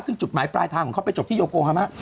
ซึ่งจุดหมายปลายทางของเขาไปจบที่โยโกฮามา